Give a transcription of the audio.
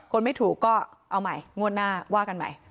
ไม่ถูกก็เอาใหม่งวดหน้าว่ากันใหม่